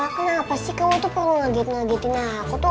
kenapa sih kamu tuh perlu ngagetin ngagetin aku tuh